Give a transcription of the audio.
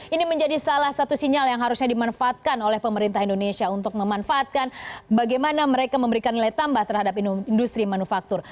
ini menjadi salah satu sinyal yang harusnya dimanfaatkan oleh pemerintah indonesia untuk memanfaatkan bagaimana mereka memberikan nilai tambah terhadap industri manufaktur